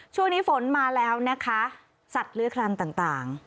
ช่วงนี้ฝนมาแล้วนะคะสัตว์เลื้อยคลานต่าง